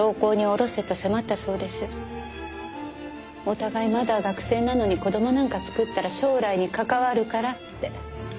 お互いまだ学生なのに子供なんか作ったら将来に関わるからって。